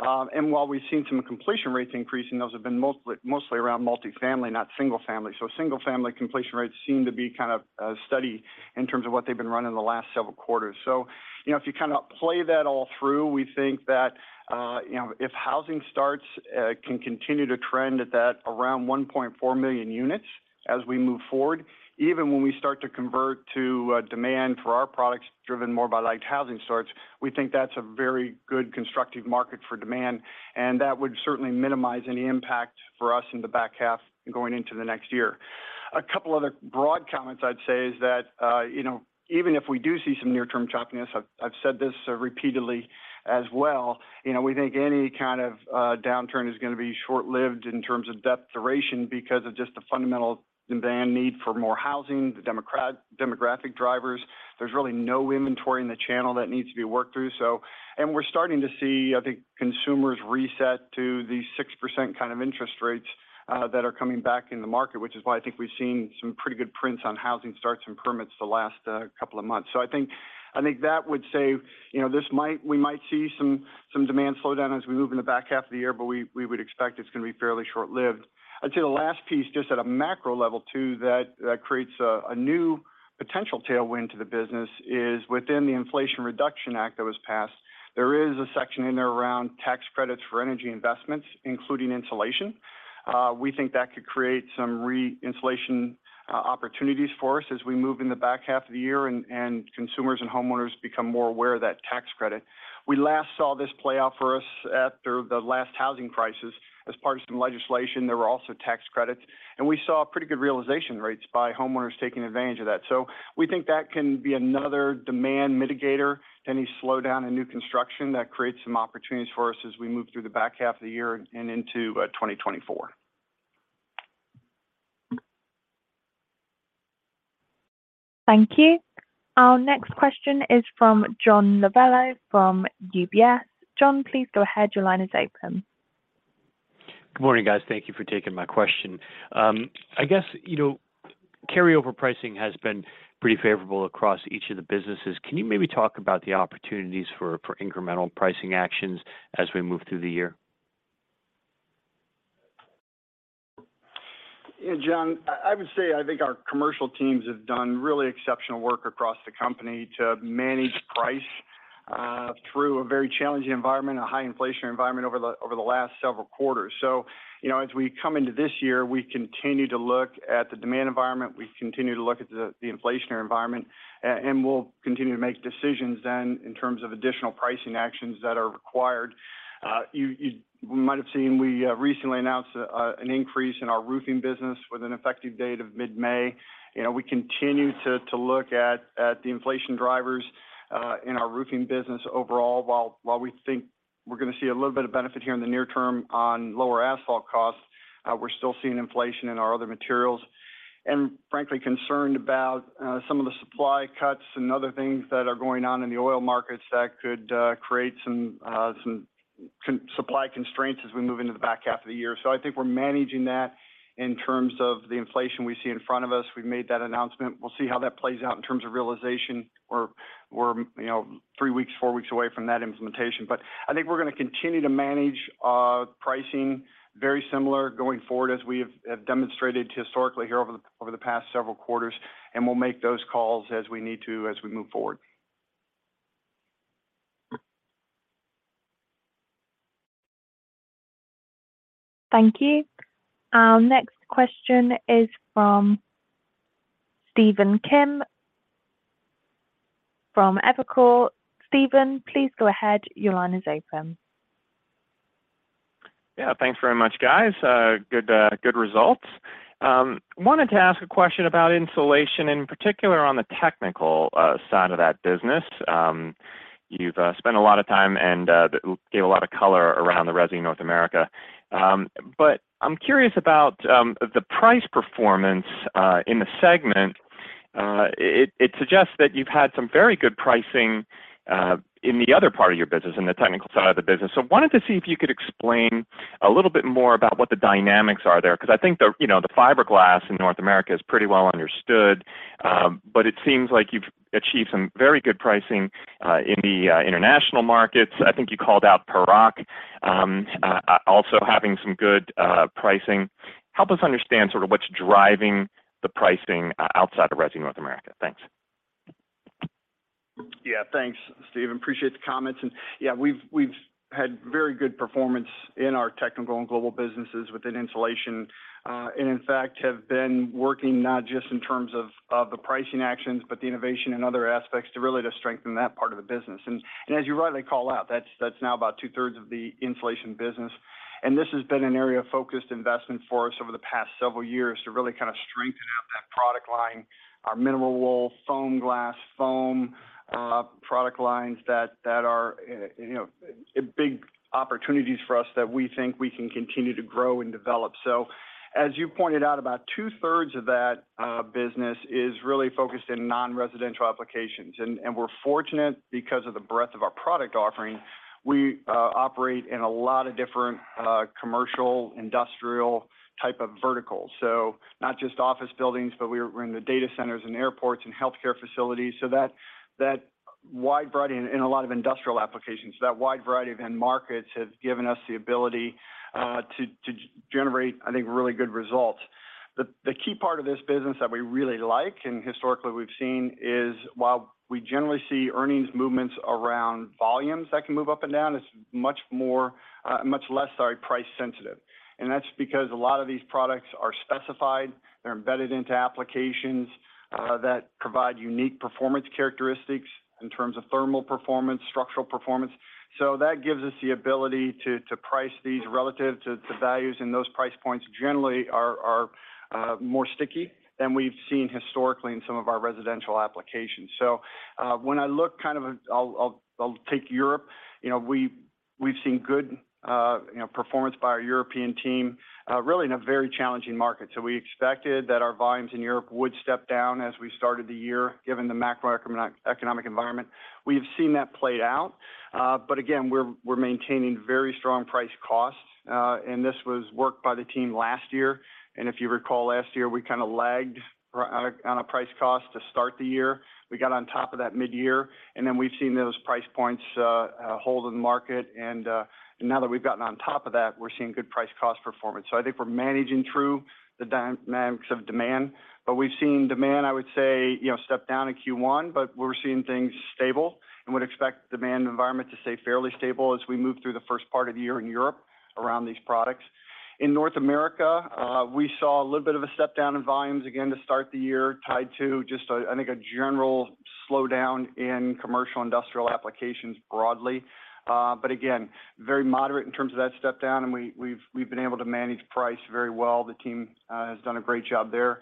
Speaker 3: And while we've seen some completion rates increasing, those have been mostly around multi-family, not single-family. Single-family completion rates seem to be kind of steady in terms of what they've been running the last several quarters. You know, if you kinda play that all through, we think that, you know, if housing starts can continue to trend at that around 1.4 million units as we move forward, even when we start to convert to demand for our products driven more by light housing starts, we think that's a very good constructive market for demand. That would certainly minimize any impact for us in the back half going into the next year. A couple other broad comments I'd say is that, you know, even if we do see some near-term choppiness, I've said this repeatedly as well, you know, we think any kind of downturn is gonna be short-lived in terms of depth duration because of just the fundamental demand need for more housing, the demographic drivers. There's really no inventory in the channel that needs to be worked through. We're starting to see, I think, consumers reset to the 6% kind of interest rates that are coming back in the market, which is why I think we've seen some pretty good prints on housing starts and permits the last couple of months. I think that would say, you know, we might see some demand slow down as we move in the back half of the year, but we would expect it's gonna be fairly short-lived. I'd say the last piece, just at a macro level too, that creates a new potential tailwind to the business is within the Inflation Reduction Act that was passed, there is a section in there around tax credits for energy investments, including insulation. We think that could create some re-installation opportunities for us as we move in the back half of the year, and consumers and homeowners become more aware of that tax credit. We last saw this play out for us after the last housing crisis. As part of some legislation, there were also tax credits, and we saw pretty good realization rates by homeowners taking advantage of that. We think that can be another demand mitigator to any slowdown in new construction. That creates some opportunities for us as we move through the back half of the year and into 2024.
Speaker 1: Thank you. Our next question is from John Lovallo from UBS. John, please go ahead. Your line is open.
Speaker 8: Good morning, guys. Thank you for taking my question. I guess, you know, carryover pricing has been pretty favorable across each of the businesses. Can you maybe talk about the opportunities for incremental pricing actions as we move through the year?
Speaker 3: John, I would say I think our commercial teams have done really exceptional work across the company to manage price through a very challenging environment, a high inflationary environment over the last several quarters. You know, as we come into this year, we continue to look at the demand environment. We continue to look at the inflationary environment. We'll continue to make decisions then in terms of additional pricing actions that are required. You might have seen we recently announced an increase in our roofing business with an effective date of mid-May. You know, we continue to look at the inflation drivers in our roofing business overall. While we think we're gonna see a little bit of benefit here in the near term on lower asphalt costs, we're still seeing inflation in our other materials. Frankly, concerned about some of the supply cuts and other things that are going on in the oil markets that could create some supply constraints as we move into the back half of the year. I think we're managing that in terms of the inflation we see in front of us. We've made that announcement. We'll see how that plays out in terms of realization. We're, you know, 3 weeks, 4 weeks away from that implementation. I think we're gonna continue to manage pricing very similar going forward as we have demonstrated historically here over the past several quarters, and we'll make those calls as we need to as we move forward.
Speaker 1: Thank you. Our next question is from Stephen Kim from Evercore. Steven, please go ahead. Your line is open.
Speaker 9: Yeah. Thanks very much, guys. Good results. Wanted to ask a question about insulation, in particular on the technical side of that business. You've spent a lot of time and gave a lot of color around the Resi North America. I'm curious about the price performance in the segment. It suggests that you've had some very good pricing in the other part of your business, in the technical side of the business. Wanted to see if you could explain a little bit more about what the dynamics are there, 'cause I think the, you know, the fiberglass in North America is pretty well understood, but it seems like you've achieved some very good pricing in the international markets. I think you called out Peru, also having some good pricing. Help us understand sort of what's driving the pricing outside of Resi North America? Thanks.
Speaker 3: Thanks, Steven. Appreciate the comments. We've had very good performance in our technical and global businesses within insulation. In fact, have been working not just in terms of the pricing actions, but the innovation and other aspects to really strengthen that part of the business. As you rightly call out, that's now about two-thirds of the insulation business. This has been an area of focused investment for us over the past several years to really kinda strengthen our Product line, our mineral wool, FOAMGLAS, foam product lines that are, you know, big opportunities for us that we think we can continue to grow and develop. As you pointed out, about two-thirds of that business is really focused in non-residential applications. We're fortunate because of the breadth of our product offering, we operate in a lot of different commercial, industrial type of verticals. Not just office buildings, but we're in the data centers, and airports, and healthcare facilities. That wide variety. And a lot of industrial applications. That wide variety of end markets has given us the ability to generate, I think, really good results. The key part of this business that we really like, and historically we've seen, is while we generally see earnings movements around volumes that can move up and down, it's much more, much less, sorry, price sensitive. That's because a lot of these products are specified, they're embedded into applications that provide unique performance characteristics in terms of thermal performance, structural performance. That gives us the ability to price these relative to values. Those price points generally are more sticky than we've seen historically in some of our residential applications. When I look I'll take Europe. You know, we've seen good, you know, performance by our European team, really in a very challenging market. We expected that our volumes in Europe would step down as we started the year, given the macroeconomic environment. We've seen that play out. But again, we're maintaining very strong price costs. And this was work by the team last year. If you recall, last year, we kinda lagged on a price cost to start the year. We got on top of that midyear, and then we've seen those price points hold in the market. Now that we've gotten on top of that, we're seeing good price cost performance. I think we're managing through the dynamics of demand. We've seen demand, I would say, you know, step down in Q1, but we're seeing things stable and would expect demand environment to stay fairly stable as we move through the first part of the year in Europe around these products. In North America, we saw a little bit of a step down in volumes again to start the year, tied to just a, I think a general slowdown in commercial industrial applications broadly. But again, very moderate in terms of that step down, and we've been able to manage price very well. The team has done a great job there.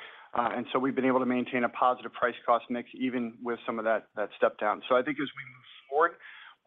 Speaker 3: We've been able to maintain a positive price cost mix even with some of that step down. I think as we move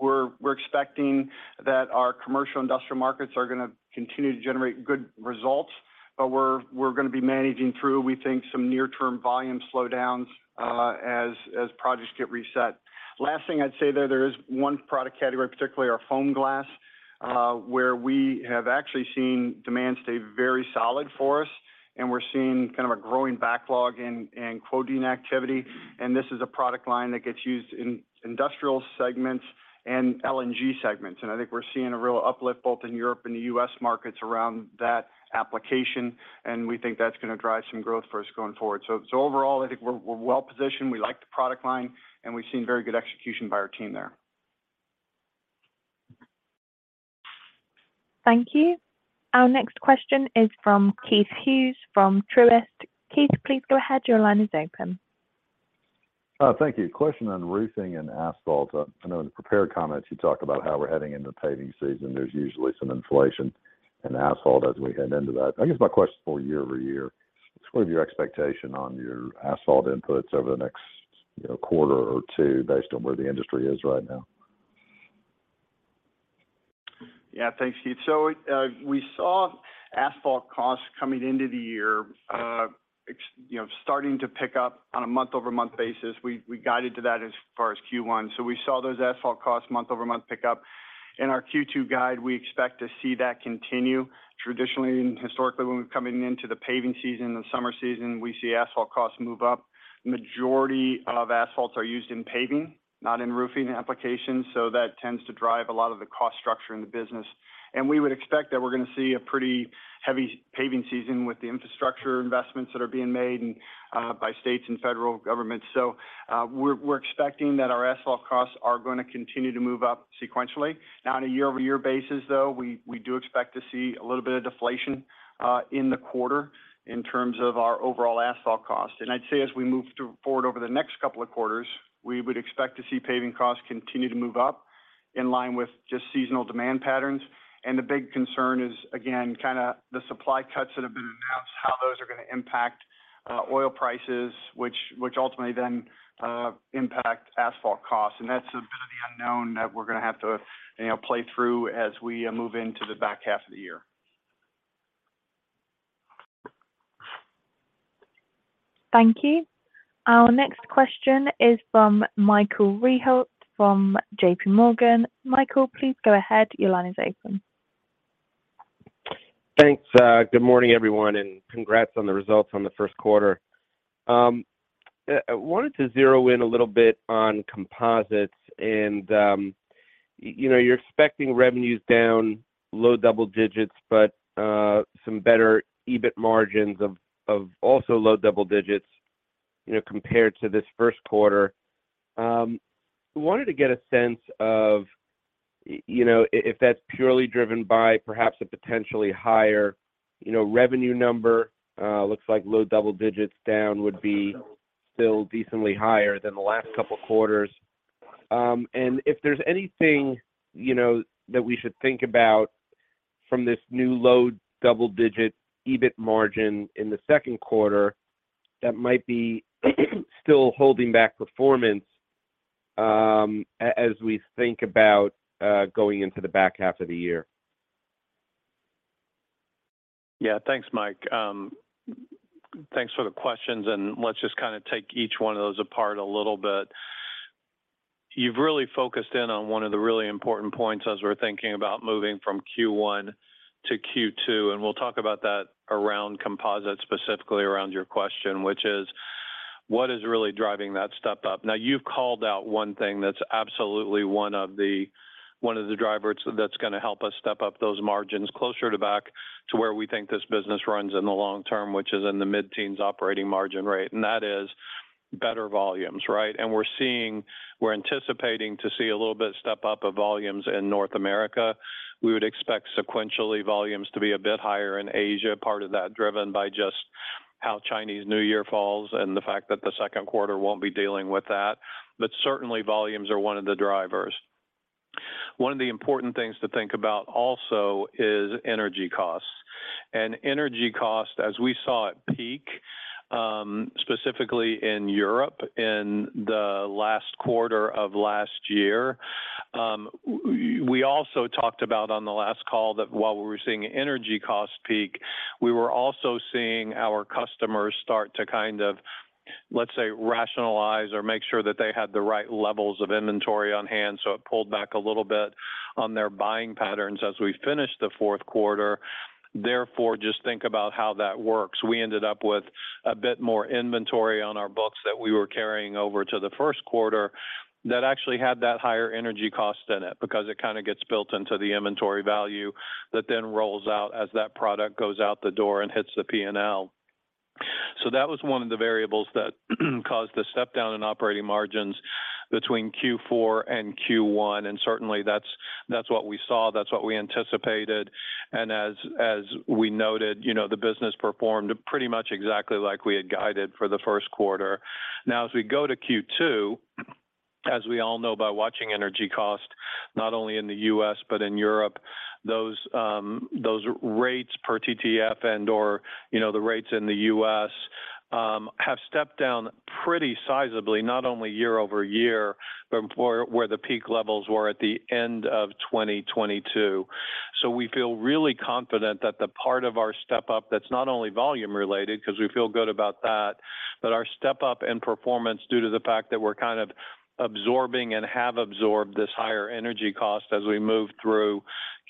Speaker 3: forward, we're expecting that our commercial industrial markets are gonna continue to generate good results. We're gonna be managing through, we think, some near-term volume slowdowns as projects get reset. Last thing I'd say there is one product category, particularly our FOAMGLAS, where we have actually seen demand stay very solid for us, and we're seeing kind of a growing backlog in quoting activity. This is a product line that gets used in industrial segments and LNG segments. I think we're seeing a real uplift both in Europe and the U.S. markets around that application, and we think that's gonna drive some growth for us going forward. Overall, I think we're well-positioned. We like the product line, and we've seen very good execution by our team there.
Speaker 1: Thank you. Our next question is from Keith Hughes from Truist. Keith, please go ahead. Your line is open.
Speaker 10: Thank you. Question on roofing and asphalt. I know in the prepared comments you talked about how we're heading into paving season. There's usually some inflation in asphalt as we head into that. I guess my question for year-over-year, what's one of your expectation on your asphalt inputs over the next, you know, quarter or two based on where the industry is right now?
Speaker 3: Thanks, Keith. We saw asphalt costs coming into the year, you know, starting to pick up on a month-over-month basis. We guided to that as far as Q1. We saw those asphalt costs month-over-month pick up. In our Q2 guide, we expect to see that continue. Traditionally and historically, when we're coming into the paving season, the summer season, we see asphalt costs move up. Majority of asphalts are used in paving, not in roofing applications, so that tends to drive a lot of the cost structure in the business. We would expect that we're gonna see a pretty heavy paving season with the infrastructure investments that are being made by states and federal governments. We're expecting that our asphalt costs are gonna continue to move up sequentially. On a year-over-year basis, though, we do expect to see a little bit of deflation in the quarter in terms of our overall asphalt cost. I'd say as we move forward over the next couple of quarters, we would expect to see paving costs continue to move up in line with just seasonal demand patterns. The big concern is, again, kinda the supply cuts that have been announced, how those are gonna impact oil prices, which ultimately then impact asphalt costs. That's a bit of the unknown that we're gonna have to, you know, play through as we move into the back half of the year.
Speaker 1: Thank you. Our next question is from Michael Rehaut from JPMorgan. Michael, please go ahead. Your line is open.
Speaker 11: Thanks. Good morning, everyone, and congrats on the results on the first quarter. I wanted to zero in a little bit on composites and, you know, you're expecting revenues down low double digits, but some better EBIT margins of also low double digits, you know, compared to this first quarter. Wanted to get a sense of, you know, if that's purely driven by perhaps a potentially higher, you know, revenue number. Looks like low double digits down would be still decently higher than the last couple quarters. If there's anything, you know, that we should think about? From this new low double-digit EBIT margin in the second quarter that might be still holding back performance, as we think about going into the back half of the year.
Speaker 4: Yeah. Thanks, Mike. Thanks for the questions. Let's just kind of take each one of those apart a little bit. You've really focused in on one of the really important points as we're thinking about moving from Q1 to Q2. We'll talk about that around composites, specifically around your question, which is what is really driving that step up. Now, you've called out one thing that's absolutely one of the drivers that's going to help us step up those margins closer to back to where we think this business runs in the long term, which is in the mid-teens operating margin rate, and that is better volumes, right? We're anticipating to see a little bit step up of volumes in North America. We would expect sequentially volumes to be a bit higher in Asia, part of that driven by just how Chinese New Year falls and the fact that the second quarter won't be dealing with that. Certainly, volumes are one of the drivers. One of the important things to think about also is energy costs. Energy costs, as we saw it peak, specifically in Europe in the last quarter of last year, we also talked about on the last call that while we were seeing energy costs peak, we were also seeing our customers start to kind of, let's say, rationalize or make sure that they had the right levels of inventory on hand, so it pulled back a little bit on their buying patterns as we finished the fourth quarter. Therefore, just think about how that works. We ended up with a bit more inventory on our books that we were carrying over to the first quarter that actually had that higher energy cost in it because it kinda gets built into the inventory value that then rolls out as that product goes out the door and hits the P&L. That was one of the variables that caused the step down in operating margins between Q4 and Q1. Certainly, that's what we saw. That's what we anticipated. As we noted, you know, the business performed pretty much exactly like we had guided for the first quarter. As we go to Q2, as we all know by watching energy costs, not only in the U.S., but in Europe, those rates per TTF and/or, you know, the rates in the U.S., have stepped down pretty sizably, not only year-over-year, but where the peak levels were at the end of 2022. We feel really confident that the part of our step-up that's not only volume related, 'cause we feel good about that, but our step-up in performance due to the fact that we're kind of absorbing and have absorbed this higher energy cost as we move through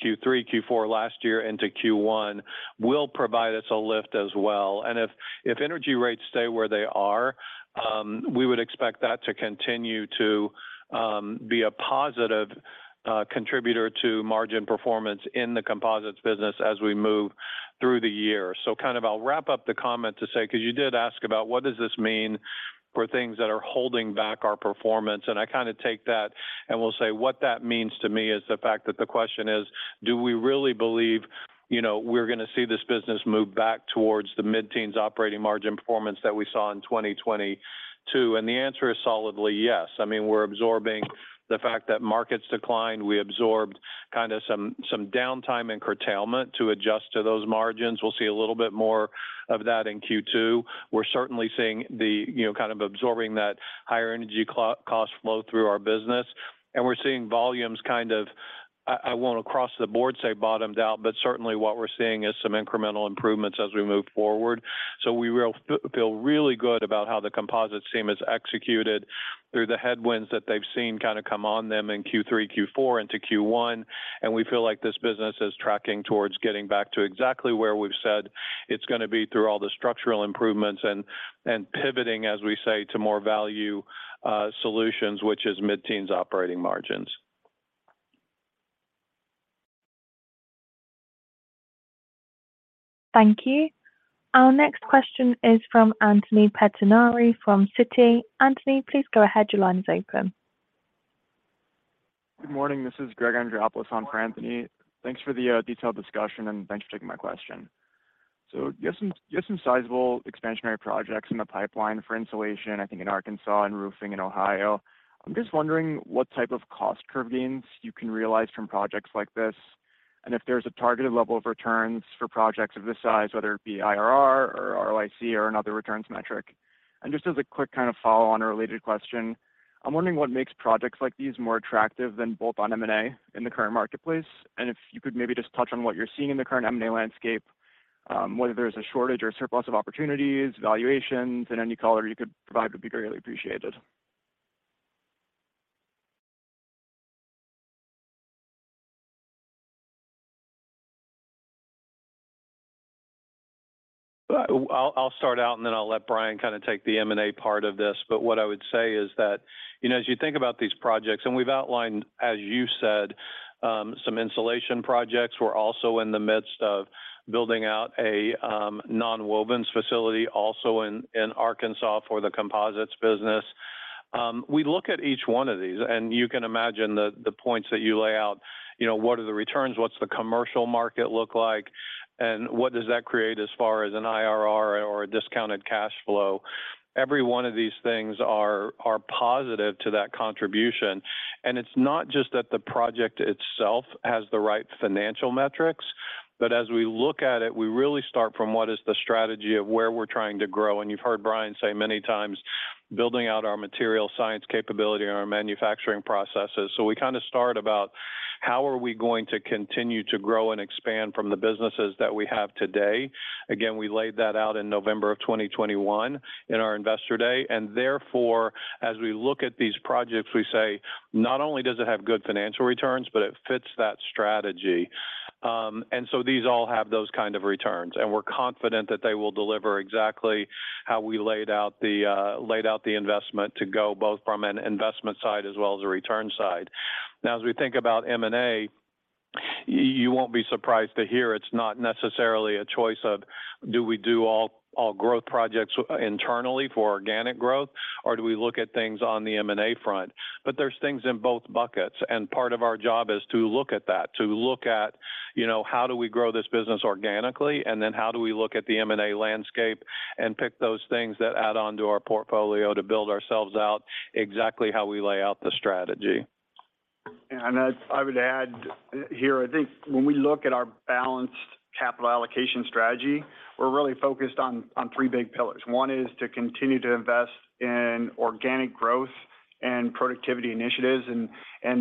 Speaker 4: Q3, Q4 last year into Q1, will provide us a lift as well. If energy rates stay where they are, we would expect that to continue to be a positive contributor to margin performance in the composites business as we move through the year. kind of I'll wrap up the comment to say, 'cause you did ask about what does this mean for things that are holding back our performance, and I kinda take that and will say what that means to me is the fact that the question is, do we really believe, you know, we're gonna see this business move back towards the mid-teens operating margin performance that we saw in 2022? The answer is solidly yes. I mean, we're absorbing the fact that markets declined. We absorbed kinda some downtime and curtailment to adjust to those margins. We'll see a little bit more of that in Q2. We're certainly seeing the, you know, kind of absorbing that higher energy cost flow through our business. We're seeing volumes kind of, I won't across the board say bottomed out, but certainly what we're seeing is some incremental improvements as we move forward. We feel really good about how the composites team has executed through the headwinds that they've seen kinda come on them in Q3, Q4, into Q1. We feel like this business is tracking towards getting back to exactly where we've said it's gonna be through all the structural improvements and pivoting, as we say, to more value solutions, which is mid-teens operating margins.
Speaker 1: Thank you. Our next question is from Anthony Pettinari from Citi. Anthony, please go ahead. Your line is open.
Speaker 12: Good morning. This is Greg Andreopoulos on for Anthony Pettinari. Thanks for the detailed discussion, thanks for taking my question. You have some sizable expansionary projects in the pipeline for insulation, I think in Arkansas, and roofing in Ohio. I'm just wondering what type of cost curve gains you can realize from projects like this, and if there's a targeted level of returns for projects of this size, whether it be IRR or ROIC or another returns metric. Just as a quick kind of follow-on or related question, I'm wondering what makes projects like these more attractive than bolt-on M&A in the current marketplace, and if you could maybe just touch on what you're seeing in the current M&A landscape, whether there's a shortage or surplus of opportunities, valuations. Any color you could provide would be greatly appreciated.
Speaker 4: I'll start out, then I'll let Brian kind of take the M&A part of this. What I would say is that, you know, as you think about these projects, we've outlined, as you said, some insulation projects. We're also in the midst of building out a nonwovens facility also in Arkansas for the composites business. We look at each one of these, you can imagine the points that you lay out. You know, what are the returns? What's the commercial market look like? What does that create as far as an IRR or a discounted cash flow? Every one of these things are positive to that contribution, it's not just that the project itself has the right financial metrics, but as we look at it, we really start from what is the strategy of where we're trying to grow. You've heard Brian say many times, building out our material science capability and our manufacturing processes. We kinda start about how are we going to continue to grow and expand from the businesses that we have today. Again, we laid that out in November of 2021 in our Investor Day. Therefore, as we look at these projects, we say, not only does it have good financial returns, but it fits that strategy. These all have those kind of returns, and we're confident that they will deliver exactly how we laid out the investment to go both from an investment side as well as a return side. As we think about M&A, you won't be surprised to hear it's not necessarily a choice of do we do all growth projects internally for organic growth, or do we look at things on the M&A front? There's things in both buckets, and part of our job is to look at that, to look at, you know, how do we grow this business organically, and then how do we look at the M&A landscape and pick those things that add on to our portfolio to build ourselves out exactly how we lay out the strategy.
Speaker 3: I would add here, I think when we look at our balanced capital allocation strategy, we're really focused on three big pillars. One is to continue to invest in organic growth and productivity initiatives.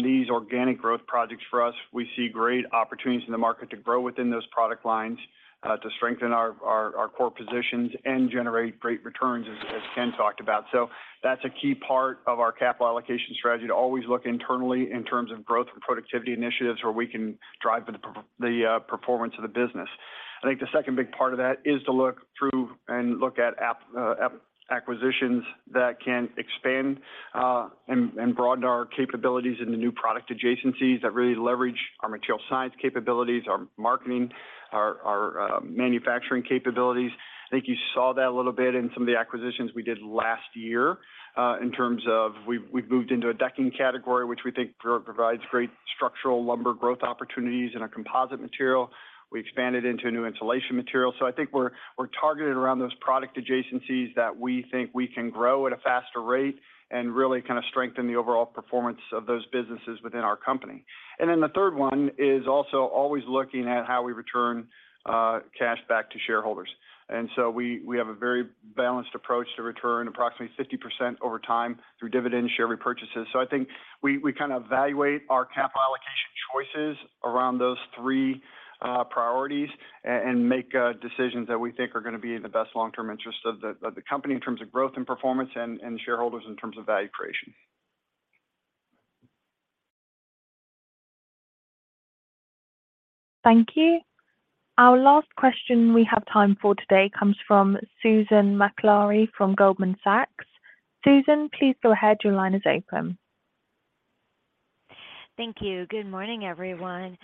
Speaker 3: These organic growth projects for us, we see great opportunities in the market to grow within those product lines, to strengthen our core positions and generate great returns, as Ken talked about. That's a key part of our capital allocation strategy, to always look internally in terms of growth and productivity initiatives where we can drive the performance of the business. I think the second big part of that is to look through and look at acquisitions that can expand and broaden our capabilities into new product adjacencies that really leverage our material science capabilities, our marketing, our manufacturing capabilities. I think you saw that a little bit in some of the acquisitions we did last year in terms of we've moved into a decking category, which we think provides great structural lumber growth opportunities in our composite material. We expanded into a new insulation material. I think we're targeted around those product adjacencies that we think we can grow at a faster rate and really kinda strengthen the overall performance of those businesses within our company. The third one is also always looking at how we return cash back to shareholders. We have a very balanced approach to return approximately 50% over time through dividend share repurchases. I think we kinda evaluate our capital allocation choices around those three priorities and make decisions that we think are gonna be in the best long-term interest of the company in terms of growth and performance and shareholders in terms of value creation.
Speaker 1: Thank you. Our last question we have time for today comes from Susan Maklari from Goldman Sachs. Susan, please go ahead. Your line is open.
Speaker 13: Thank you. Good morning, everyone.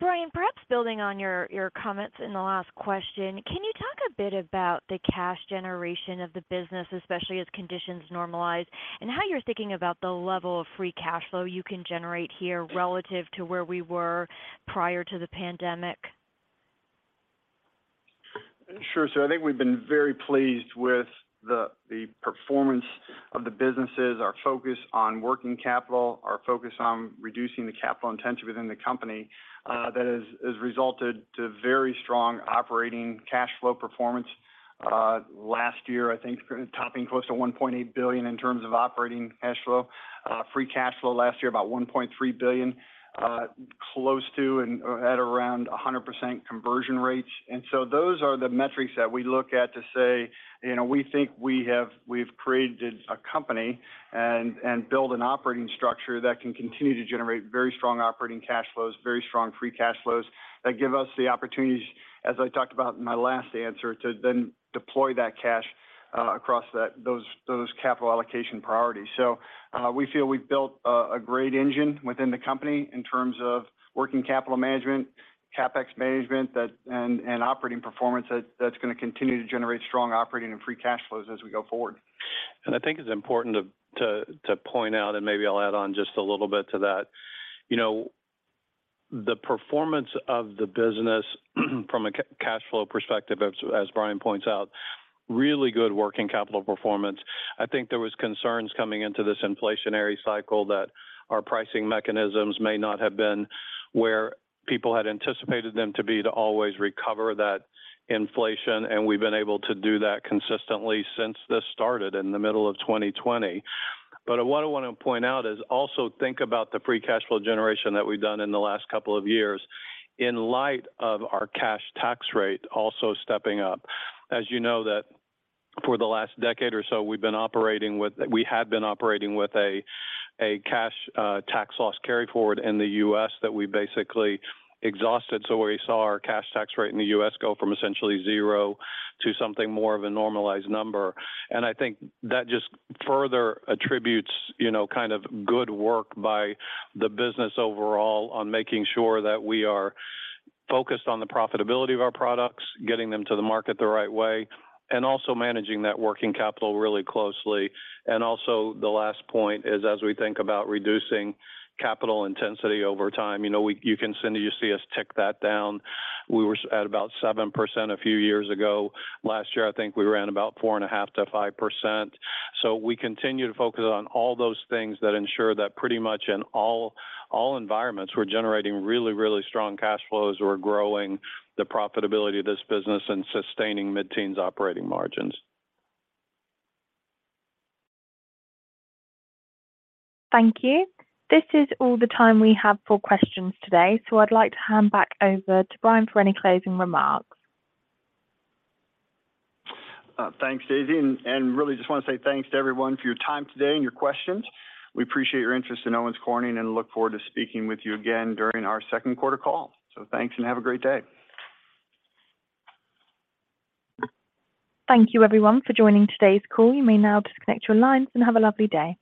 Speaker 13: Brian, perhaps building on your comments in the last question, can you talk a bit about the cash generation of the business, especially as conditions normalize, and how you're thinking about the level of Free Cash Flow you can generate here relative to where we were prior to the pandemic?
Speaker 3: Sure. I think we've been very pleased with the performance of the businesses, our focus on working capital, our focus on reducing the capital intensity within the company, that has resulted to very strong operating cash flow performance, last year, I think topping close to $1.8 billion in terms of operating cash flow. Free Cash Flow last year, about $1.3 billion, close to and at around 100% conversion rates. Those are the metrics that we look at to say, you know, we think we've created a company and built an operating structure that can continue to generate very strong operating cash flows, very strong Free Cash Flows that give us the opportunities, as I talked about in my last answer, to then deploy that cash across those capital allocation priorities. We feel we've built a great engine within the company in terms of working capital management, CapEx management and operating performance that's gonna continue to generate strong operating and Free Cash Flows as we go forward.
Speaker 4: I think it's important to point out, and maybe I'll add on just a little bit to that. You know, the performance of the business from a cash flow perspective, as Brian points out, really good working capital performance. I think there was concerns coming into this inflationary cycle that our pricing mechanisms may not have been where people had anticipated them to be to always recover that inflation, and we've been able to do that consistently since this started in the middle of 2020. What I wanna point out is also think about the Free Cash Flow generation that we've done in the last couple of years in light of our cash tax rate also stepping up. As you know that for the last decade or so, we've been operating with a cash tax loss carry-forward in the U.S. that we basically exhausted. We saw our cash tax rate in the U.S. go from essentially zero to something more of a normalized number. I think that just further attributes, you know, kind of good work by the business overall on making sure that we are focused on the profitability of our products, getting them to the market the right way, and also managing that working capital really closely. Also the last point is, as we think about reducing capital intensity over time, you know, you see us tick that down. We were at about 7% a few years ago. Last year, I think we ran about 4.5%-5%. We continue to focus on all those things that ensure that pretty much in all environments, we're generating really, really strong cash flows. We're growing the profitability of this business and sustaining mid-teens operating margins.
Speaker 1: Thank you. This is all the time we have for questions today, so I'd like to hand back over to Brian for any closing remarks.
Speaker 3: Thanks, Daisy. Really just wanna say thanks to everyone for your time today and your questions. We appreciate your interest in Owens Corning and look forward to speaking with you again during our second quarter call. Thanks and have a great day.
Speaker 1: Thank you everyone for joining today's call. You may now disconnect your lines and have a lovely day.